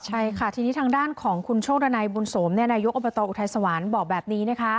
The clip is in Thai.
ใช่ค่ะทีนี้ทางด้านของคุณโชคดันัยบุญสมนายกอบตอุทัยสวรรค์บอกแบบนี้นะคะ